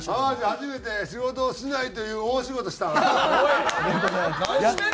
初めて仕事をしないという大仕事をしたな。